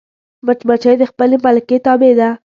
مچمچۍ د خپلې ملکې تابع ده